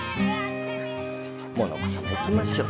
モノコさま行きましょう。